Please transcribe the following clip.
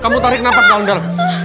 kamu tarik nampak come down